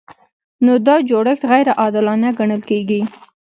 نو دا جوړښت غیر عادلانه ګڼل کیږي.